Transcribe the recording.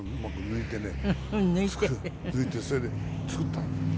抜いてそれで作ったんですよ。